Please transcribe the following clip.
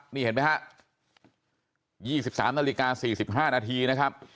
นี่เห็นไหมฮะยี่สิบสามนาฬิกาสี่สิบห้านาทีนะครับ